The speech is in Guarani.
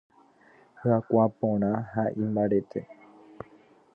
Hyakuã porã ha imbarete.